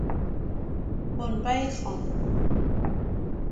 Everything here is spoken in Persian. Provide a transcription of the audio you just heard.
پنبه خام